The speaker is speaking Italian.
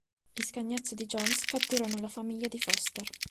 Gli scagnozzi di Jones catturano la famiglia di Foster.